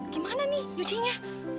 gimana nih cuciannya